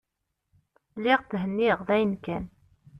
Lliɣ thenniɣ dayen kan.